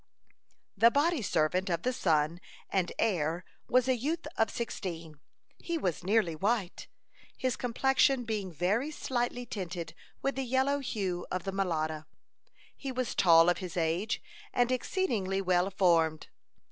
The body servant of the son and heir was a youth of sixteen. He was nearly white, his complexion being very slightly tinted with the yellow hue of the mulatto. He was tall of his age, and exceedingly well formed.